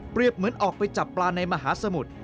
เหมือนออกไปจับปลาในมหาสมุทร